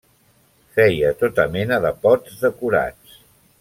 Feia tota mena de pots decorats.